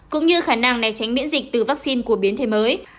cũng như khả năng này tránh miễn dịch từ vaccine của biến thể mới